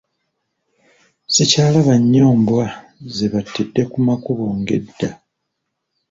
Sikyalaba nnyo mbwa ze battidde ku makubo nga edda.